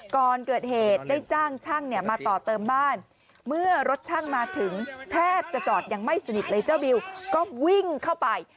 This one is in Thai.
ก่อนเกิดเหตุได้จ้างช่างเนี่ยมาต่อเติมบ้านเมื่อรถช่างมาถึงแทบจะจอดยังไม่สนิทเลยเจ้าบิวก็วิ่งเข้าไป